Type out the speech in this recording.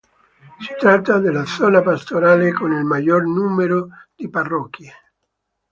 Si tratta della Zona Pastorale con il maggior numero di Parrocchie.